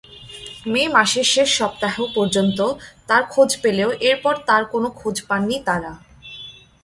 মে মাসের শেষ সপ্তাহ পর্যন্ত তার খোঁজ পেলেও এরপর তার কোনো খোঁজ পাননি তারা।